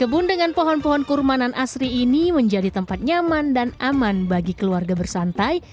kebun dengan pohon pohon kurmanan asri ini menjadi tempat nyaman dan aman bagi keluarga bersantai